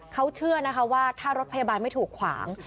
เขาเชื่อนะคะว่าถ้ารถพยาบาลไม่ถูกขวาง